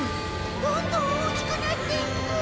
どんどん大きくなっていく！